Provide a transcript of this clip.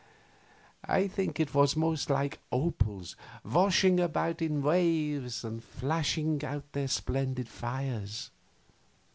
I think it was most like opals washing about in waves and flashing out their splendid fires.